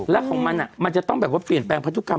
แล้วของมันมันจะต้องแบบว่าเปลี่ยนแปลงพันธุกรรม